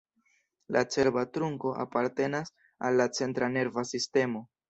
La cerba trunko apartenas al la centra nerva sistemo.